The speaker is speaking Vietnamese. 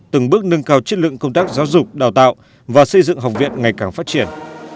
từng bước nâng cao chất lượng công tác giáo dục đào tạo và xây dựng học viện ngày càng phát triển